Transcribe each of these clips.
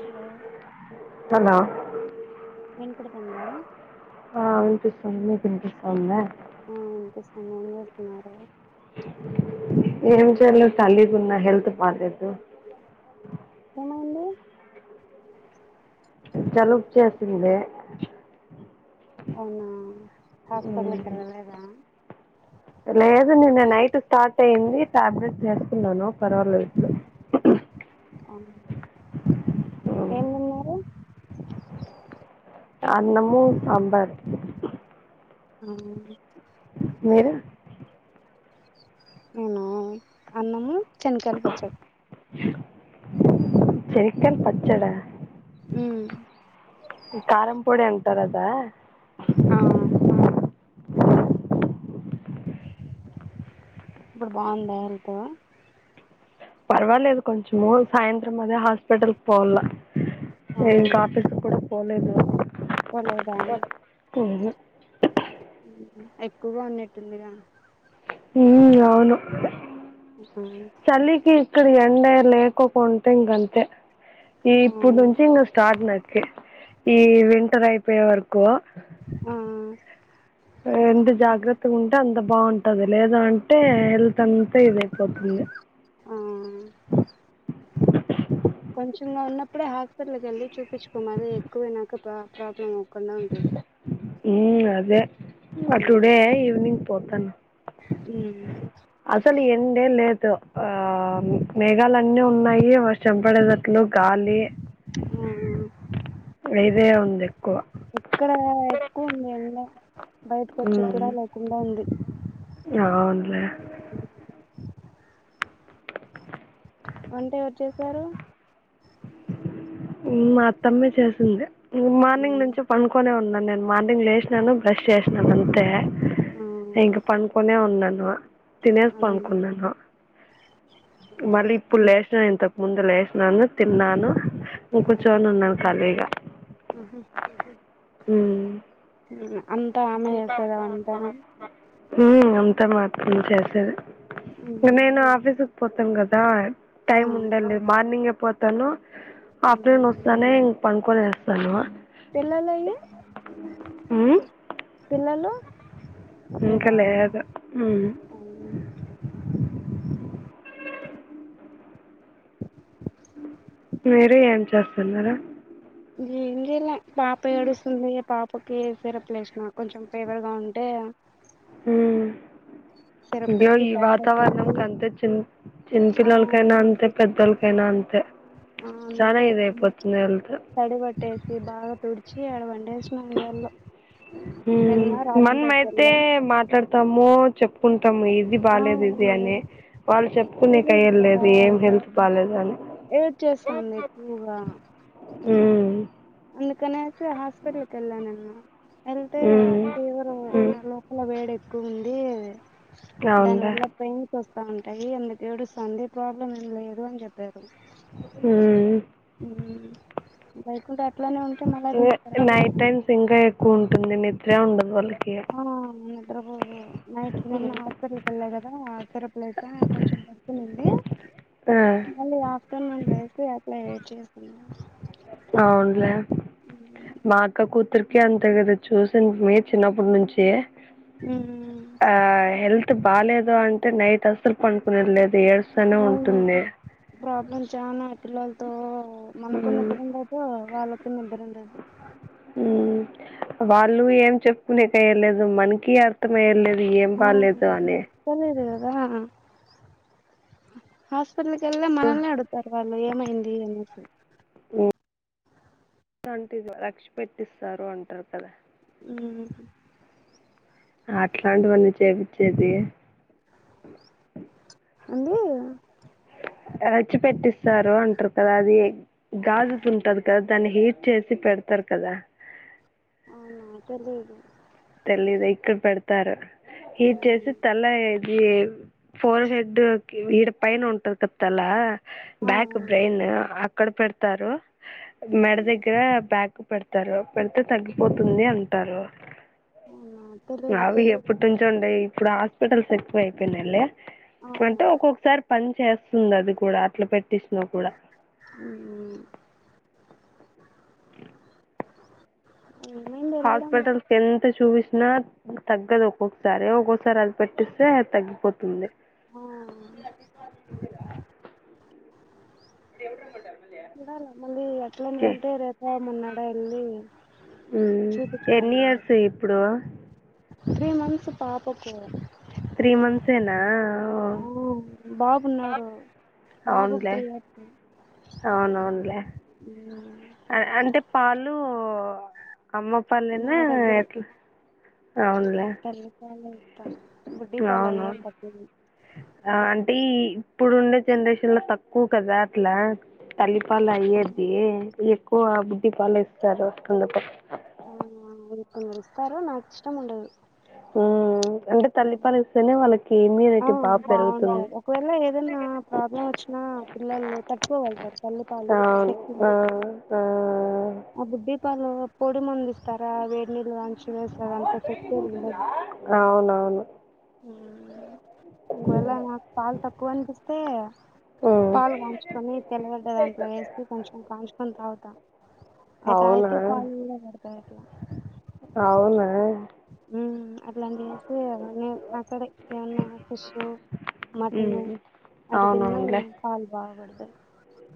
Hello hello వినపడతాందా ఆ వినిపిస్తుంది మీకు వినిపిస్తుందా మ్మ్ ఇనిపిస్తుంది ఏం చేస్తున్నార ఏం చేయలే కాలిగున్నా హెల్త్ బాలేదు ఏమైంది జలుబు చేసింది అవునా ఉమ్, హాస్పిటల్కి వెళ్ళలేదా లేదు నిన్నా నైట్ స్టార్ట్ అయ్యింది టాబ్లెట్స్ వేసుకున్నాను పర్వాలేదు అవున ఉమ్, ఏమితిన్నారు అన్నమూ సాంబారు మ్మ్ మీరు మ్మ్ అన్నము శనకాయల పచ్చడి శనక్కాయల పచ్చడా మ్మ్ కారం పొడి అంటారదా అవు ఇబ్బుడు బాగుందా అంతా పర్వాలేదు కొంచము సాయంత్రం అదే హాస్పిటల్కి పోవల్ల ఆ ఇంకా ఆఫీస్కి కూడా పోలేదు పోలేదా ఎక్కువగా ఉన్నట్టుందిగా హ్మ్మ్ అవును ఉమ్, చలికి ఇక్కడ ఎండ లేకుకుంటే ఇంగంతే ఈ ఆ ఇప్పుడు నుంచి ఇంగ స్టార్ట్ నైట్ కీ ఈ వింటర్ అయిపోయేవరకు ఆ ఎంత జాగ్రత్తగుంటే అంత బాగుంటది లేదంటే హెల్త్ అంతా ఇది అయిపోతుంది ఆ కొంచెంగా ఉన్నప్పుడే హాస్పిటల్కేళ్ళి చూపించుకో మళ్ళి ఎక్కువైనాక ప్ర ప్రాబ్లం అవ్వకుండా ఉంటది ఊ అదే ఉమ్ టుడే ఈవినింగ్ పోతాన్ ఉహ్ అసలు ఎండే లేదు ఆ మేఘాలు అన్నీ ఉన్నాయి వర్ ర్షం పడేటాట్లు గాలి ఆహ్ ఇదే ఉంది ఎక్కువ ఇక్కడ ఎక్కువ ఉంది ఎండ బయటకోచ్చేకి కూడా ఉమ్ లేకుండా ఉంది అవునులే వంట ఎవరు చేసారు హు మా అత్తమ్మ చేసింది ను మార్నింగ్ నుంచి ఉ పండుకొనే ఉన్నాను నేను మార్నింగ్ లేసినాను బ్రష్ చేసినాను అంతే ఆ ఆ నే ఇంక పండుకొనే ఉన్నాను తినేసి పండుకున్నాను మళ్ళీ ఆ ఇప్పుడు లేసి సాను ఇంతకు ముందు లేసినాను తిన్నాను కూర్చొని ఉన్నాను ఖాళిగా ఆహా అంతా ఆమె చేస్తాదా వంట ఊ అంతా మా అత్తమ్మ చేసేది నేను ఆఫీస్ పోతాం కదా ఆ టైమ్ ఉండల్లేదు మార్నింగ్ ఏ పోత్ తాను హాఫ్ డే ఉమ్. వస్తానే ఇంక పడునుకొని వెళ్తాను పిల్లలు అయ్యి హ్మ్. పిల్లలు ఇంకా లేదు ఊ అవునా మీరే ఏర్న్ చేస్తున్నారు ఏం జేయలే పాప ఏడుస్తుంది ఇగ పాప పకి సిరప్లు ఏసినా కొంచెం ఫివర్ గా ఉంటే ఊ సిరప్ గో వేసి ఈ తడి వాతావరణం పట్టేసి కంతే చిన్ ఆ చిన్నపిల్లోల్లకైనా అంతే పెద్దోల్లకైనా అంతే ఆ చానా అందుకే ఇదయిపొతుంది హెల్త్ తడి బట్టేసి బాగా తుడిచి ఆడ పండేసి ఉ మనం రాజంపేటకి అయితే వెళ్ళాం మాట్లాడతాము చెప్పుకుంటాము ఇది ఆ బాలేదు ఇది అని వాళ్ళు చెప్పుకునేకీ తెలియదు అయ్యదిల్లేదు ఏం హెల్త్ బాలేదని వేడి చేస్తాంది ఎక్కువగా ఉ అందుకనేసి హాస్పిటల్కికేళ్ళా నిన్న వెళ్తే మ్మ్. ఫీవర్ మ్మ్. నా లోపల వేడి ఎక్కువ ఉంది అవునులే దానివల్ల పెయిన్స్ వస్తూ ఉంటాయి ఎందుకు ఏడుస్తాంది ప్రాబ్లం ఏం లేదు అని చెప్పారు ఉమ్. ఉమ్ లేకుంటే అట్లానే ఉంటే మళ్ల దిస్కరమ్మన్నా. ఇంగా ఎక్కువ ఉంటుంది నిద్రే ఉండదు వాళ్లకు ఇగ. ఆ నిద్రపోదు. నైట్ నిన్న హాస్పిటల్కి ఏళ్ల కదా సిరప్ లేసా కొంచెం పడుకొని ఉంది. ఆ. మళ్ళీ ఆఫ్టర్నూన్ లేసి అట్లే చేసుకున్నా. అవునుల్లే మా. అక్క కూతురికి అంతే కదా చూసింటిమి చిన్నప్పటి నుంచే. ఊమ్. ఆ హెల్త్ బాలేేదు అంటే నైట్ అసలు పంకునేది లేదు ఏడుస్తానే ఉంటుంది. ప్రాబ్లమ్ చానా పిల్లలతో మనకు మ్మ్ నిద్ర ఉండదో వాళ్ళలకు నిద్ర ఉండదు ఉమ్ వాళ్ళు ఏం చెప్పుకునేకయలేదు మనకి అ. మొత్తం ఎం లేదు ఎమ్. అవునండి ఇత్తలేదు గదా. హాస్పిట్ల్కిల్ మనల్నే ఆడుగుతారు వాళ్ళు ఏమైంది అనేసి. అంటిది రక్ష పెట్టిస్తారు అంటారు కదా. ఉమ్. అట్లాంటివన్నీ చేసి చేసి. ఏందీ అ. రెచ్చి పెట్టిస్తారు అంటారు కదా అది గాజు తుంటది కదా. దాన్ని హీట్ చేసి పెడతరు కదా. అవునా తెలిదు. తెలీద ఇక్కడ పెడతారు ఇది చేసి ఉమ్ తల ఇది. ఫోర్ హెడ్ కీ మీద పైన ఉంటది కదా తల ఆ ఆ బ్యాక్ బ్రైయిన్ అ. అక్కడ పెడతారు మెడ ఉమ్ దగ్గర బ్యాకు. పెడతారు పెడితే తగ్గిపోతుంది అంటారు. అవునా. తెలీదు అవి ఇక్కడ ఎప్పటి నుంచో ఉండయి ఇప్పుడు హాస్పిటల్స్ సేక్కువ అయిపోయినాయల్లే ఆ అంటే ఒక్కొక్కసారి. పని చేస్తుంది అది కూడా అట్లా పెట్టిసినా కూడా. ఉమ్. ఏమైన్. హాస్పిటల్స్ కేంత చూపించినా. తగ్గదు ఒక్కొక్కసారి ఒక్కొసారి అది పెట్టిస్తే అది తగ్గిపోతుంది. ఉమ్. దేవుడ్ రమ్మంటారు. చూడాలే మళ్ళీ ఎట్లనేంటే రేపు మొన్నడెల్లీ. ఉమ్ ఎన్ని ఇయర్స్ ఇప్పుడో. త్రీ మంత్స్ పాప కు. త్రీ మంత్స్ ఏనా అ. ఉమ్ బాబున్నాడు బాబుకు త్రీయర్స్. అవునవునుల్లే. ఉమ్. అ అదే అంటే పాలు అమ్మ. నా పాలేనా ఎట్లా అవునుల్లే. తల్లి పాల ఇత్తా బుడ్డి పాల ఏం అవునవును పత్తదు ఆ ఆంటీ ఇప్పుడు ఉండే జనరేషన్ లో తక్కువ కదా అట్లా తల్లిపాలయ్యేది ఎక్కువ బుడ్డిపాలే ఇస్తారు మ్మ్ వీరు కొందరు ఇస్తారు నాకు ఇష్టం ఉండదు మ్మ్ అంటే తల్లిపాలు ఇస్తేనే వాళ్ళకి ఆ ఇమ్యూనిటీ బాగా పెరుగుతుంది బాగుంటారు ఒకవేళ ఏదైనా ప్రాబ్లం వచ్చినా పిల్లలు తట్టుకోగలుగతారు తల్లిపాలు అవును శక్తి కా ఆ, పాపకి ఆ ఆ బుడ్డి పాలు పొడి మందు ఇస్తారా వేడి నీళ్ళు వంచి వేస్తారు అంత చెప్తే ఉండదు అవునవును ఒకవేళ నాకు పాలు తక్కువ అనిపిస్తే ఉమ్ పాలు కాంచుకొని తెల్లగడ్డ దాంట్లో వేసి కొంచెం కాంచుకొని తాగుతా అవి అవునా తాగితే పాలు కూడా పడతాయట్లా అవునా మ్మ్ అట్లాంటి చేసి నేను మాట్లాడ ఏమన్నా పశ్శ్యు మాకు అవునవును లే అవును రాగూడదు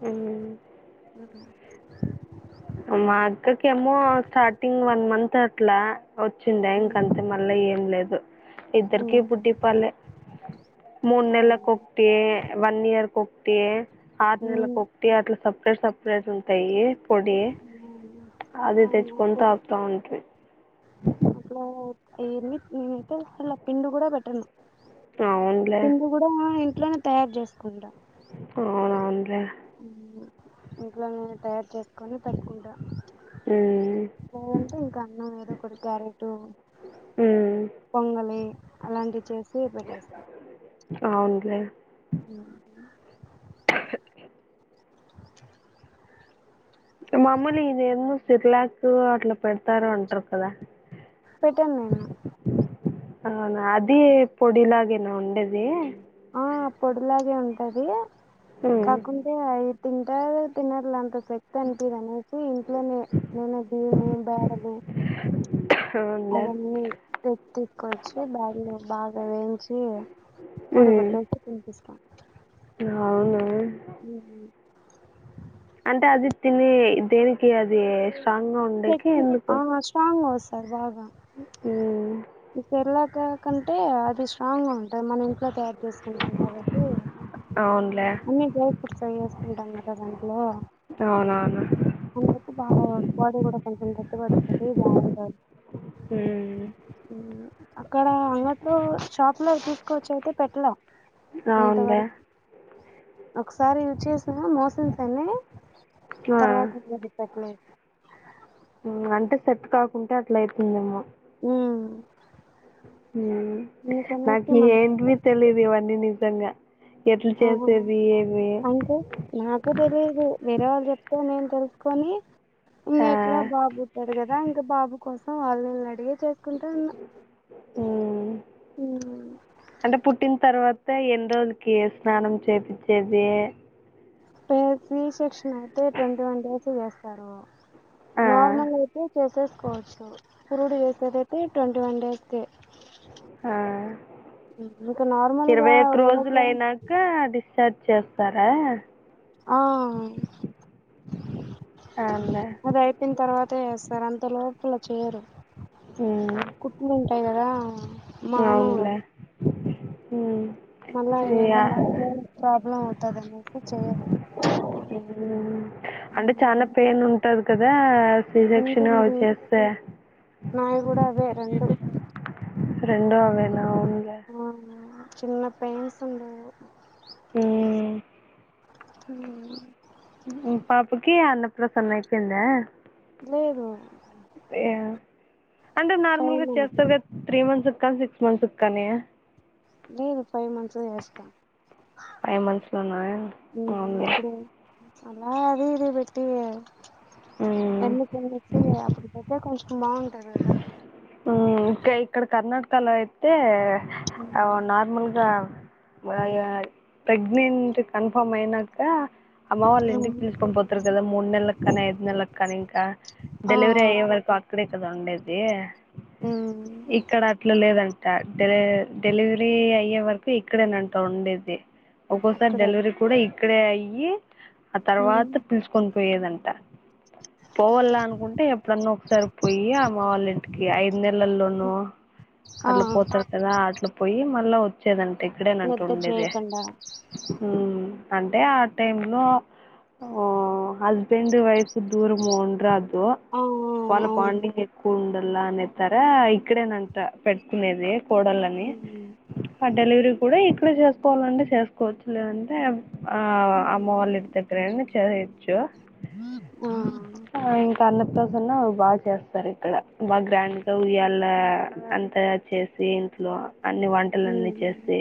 మ్మ్ మ్మ్ మా అక్కకెమో స్టార్టింగ్ వన్ మంత్ అట్లా వచ్చిండా ఉమ్ ఇంకంతే మళ్ళా ఏం లేదు ఇద్దరికి ఉమ్, బుడ్డిపాలె మూడు అవును నెల్లకుకొక తే వన్ ఇయర్ ఒకటి ఆరు ఉమ్ నెలలకి ఒకటి టి అట్లా సపరేట్ సపరేట్ ఉంటాయి పొడి అవును అదే అవును, తెచ్చకొని అప్పుడు తాగుతా వుంటిమి అట్లా ఏది నేనైతే అలా పిండి కూడా పెట్టను అవున్లే పిండి కూడా ఇంట్లోనే తయారు చేసుకుంటా అవునవున్లే అవును ఇంట్లో నేను తయారు చేసుకొని పెట్కుంటా ఉమ్ లేదంటే ఇంకా అన్నం ఏదో ఒకటి క్యారెట్టూ ఉమ్ పొంగలి అలాంటివి చేసి పెట్టేస్తా అవున్లే మ్మ్ హ్మ్ మాములుగా ఇదెందో సిర్లాకు అట్లా పెడతారు అంటారు కదా పెట్టము మేము అవునా అది పొడిలాగేనా ఉండేది ఆ పొడిలాగే ఉంటది ఉమ్. కాకుంటే అవి తింటారో తినర్లే అంత పెట్టను తీ నేనైతే ఇంట్లోనే నేను భయమూ బాధలు అవునులే అవును పెట్టుకొచ్చి బాన్లో బాగా వేయించి పొడి ఉమ్. కొట్టేసి తినిపిస్త అవును మ్మ్ అంటే అది తిని దేనికి అది స్ట్రాంగ్ గా ఉన్ పొప్పు ఆ స్ట్రాంగా వస్తాది బాగా ఉమ్. ఇ సిర్లాకు ఎందుకంటే అది స్ట్రాంగ్ గా ఉంటాయి మన ఇంట్లో తయారు చేసుకుంటాం కాబట్టి అవునులే అన్ని డ్రై ఫ్రూట్స్ అవి చేసుకుంటాం కదా దాంట్లో అవునవును అందుకు బాగా పడతది ఇది కూడా కొంచెం గట్టి పడుతుంది బాగుంటాది ఉమ్. అక్కడ అంగట్లో షాప్ లో తీసుకోవచ్చ అయితే పెట్టడం ఆ ఉందా ఒకసారి యూజ్ చేసిన మోసన్స్ అయ్యినఇ ఆ. తర్వాత పెంగ్విన్ అంటే సెట్ కాకుంటే అట్ల అవుతుందేమ్మో ఉ ఉ నాకు ఏమీ పెట్టలే తెలియదు ఇవన్నీ నిజంగా ఎట్లా అవును చేసేది ఏమి అంటే నాకు తెలిదు వేరే వాళ్ళు చెప్తా నేను తెలుసుకొని ఆ, ఇంకెట్లా బాబు పూట్టాడు కదా ఇంకా బాబు కోసం వాళ్ళు ను అడిగే చేసుకుంటా ఉన్నా ఉ ఉమ్ అంటే పుట్టిన తర్వాత ఎన్ని రోజులకి స్నానం చేపచ్చేది సీ సెక్షన్ అయితే ట్వంటీ వన్ డేస్ చేస్తారు ఆ, నార్మల్ అయితే చేసేసుకోవచ్చు పురుడు చేసేదైతే ట్వంటీ వన్ డేస్ కు ఆ. ఇంకా నార్మల్ గా ఊడక ఇంకా డిశ్చార్జ్ చేస్తారా ఆహ అవునులే అది దీని తర్వాత చేస్తారు అంత లోపు చేయరు ఉ కుట్లు ఉంటాయి గాదా అవులే ఊ మళ్ళా ఐదు గంటలకి ప్రాబ్లం అవుతాది అనేసి చెయాలే అంటే చనా పెయిన్ ఉంటది కదా సి సెక్షన్ అవి ఉంటుంది చేస్తే నాయి కూడా అవే రెండు రెండే ఉన్నాయి మా ఊర్లో ఆ చిన్న పెయింస్ ఉన్నాయా ఉ ఉ ఉ పాపకి అన్న ప్రసన్న అయిపోయిందా లేదు అంటే ఫైవ్ నార్మల్గా మంత్స్ చేస్తారు కదా త్రీ మంత్స్ కానీ సిక్స్ మంత్స్ కానీ లేదు ఫైవ్ మంత్స్ చేస్తాం ఫైవ్ మంత్స్ లోన ఉంది ఇప్పుడు అలా అది ఇది పెట్టి ఎందుకని చెప్పి అప్పటికి అంటే కొంచెం బాగుంటది కదా ఉ ఇంకా ఇక్కడ కర్ణాటకలో అయితే నార్మల్ గా ప్రెగ్నెంట్ కన్ఫామ్ అయినాక అమ్మ వాళ్ళ ఇంటికి ఉమ్ పిలుసుకొని పోతారు కదా మూడు నెలకి కానీ ఐదు నెలకి కానీ ఇంకా ఆ డెలివరీ అయ్యే వరకు అక్కడే కదా ఉండేది ఉ ఇక్కడ అట్లా లేదండి ట ఆ డెలివరీ అయ్యే వరకు ఇక్కడే నాతో ఉండిద్దీ ఒక్కోసారి అక్కడే డెలివరీ కూడా ఇక్కడే అయ్యి ఆ తర్వాత పిలుచుకొని పోయేదంట పోవాలన్న అనుకుంటే ఎప్పుడన్నా ఒకసారి పోయి అమ్మ వాళ్ళ ఇంటికి ఐదు నెలల్లోనూ ఆ అట్లా పోతారు కదా అట్లా పోయి మళ్ళా వచ్చేదంట ఇక్కడేనంట నిద్ర ఉండేది చేయకుండా హు అంటే ఆ టైం లో ఓ హస్బెండ్ వైఫ్ దూరము ఉండ్రాదు ఓ ఆ వాళ్ళ అవును బాండింగ్ ఎక్కువ ఉండాల అనే ఎతారా ఇక్కడే న ట పెట్టుకునేది కోడళ్ళని ఆ డెలివరీ కూడా ఇక్కడ చేసుకోవాలంటే చేసుకోవచ్చు లేదంటే ఆ అమ్మ వాళ్ళు ఇంటిదగ్గర అయిన చేయొచ్చు ఆ ఆ ఇంకా అన్న ప్రసన్న బాగా చేస్తారు ఇక్కడ ఫ్రెంట్ ఉయ్యాల అంత చేసి ఇంట్లో అన్ని వంటలన్నీ ఉమ్ చేసి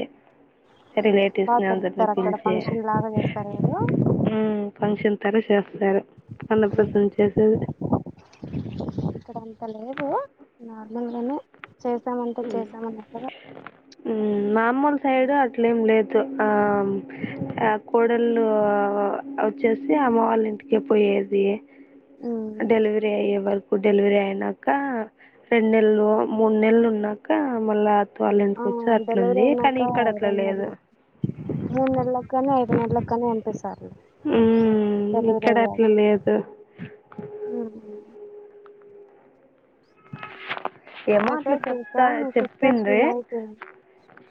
బాగా రిలేటివ్స్నీ అందరినీ జరుపుతారు అక్కడ పిలిచి ఫంక్షన్ లాగా చేస్తారు కదా హు ఫంక్షన్ తర చేస్తారు అన్న ప్రసన్న చేసే ఇక్కడ అంత లేదు నార్మల్గానె చేసామంటే చేసామన్నంటుగ హు మామొలు సైడు అట్లేం లేదు ఆ ఆ కోడళ్లు వచ్చేసి అమ్మ వాళ్ళ ఇంటికే పోయేది ఉమ్ డెలివరీ అయ్యే వర్ డెలివరీ అయినాక రెండు నెల్లు మూడు నెల్లు ఉన్నాక మళ్ళా వాళ్ళ ఇంటికి ఆ వచ్చి అట్లా డెలివరీ ఉంది కానీ అయినాక ఇక్కడ అట్లా రెండు లేదు నెలలు మూడు నెల్లకు కానీ ఐదు నెల్లకు కానీ పంపిస్తారు హ్మ్. డెలివరీ ఇక్కడ అట్లా అయ్యాకా లేదు. హు ఏమో అట్లా మెసేజ్ చేసా చెప్తా మీ సిస్టర్ కి చెప్పింది నైట్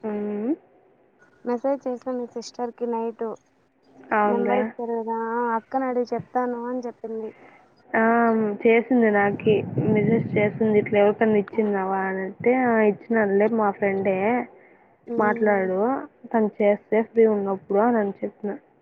హుహ్మ్ మెసేజ్ చేసిన మీ సిస్టర్ కి నైటు నెంబర్ అవునులే. ఇచ్చారు గాదా అక్క నడిగి చెప్తాను అని చెప్పింది ఆ చేసింది నాకి మెసేజ్ చేసింది ఇట్లా ఎవరికన్నా ఇచ్చిందావా అని తే ఆ ఇచ్చినన్లే మా ఫ్రెండే మాట్లాడు తను చేస్ టే ఫ్రీ ఉన్నప్పుడు అని చెప్పిన